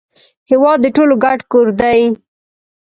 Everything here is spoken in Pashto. هیواد د ټولو ګډ کور دی